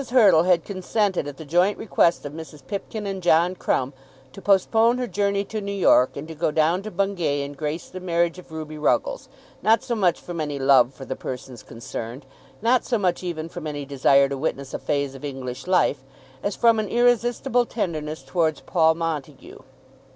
Hurtle had consented at the joint request of Mrs. Pipkin and John Crumb to postpone her journey to New York and to go down to Bungay and grace the marriage of Ruby Ruggles, not so much from any love for the persons concerned, not so much even from any desire to witness a phase of English life, as from an irresistible tenderness towards Paul Montague.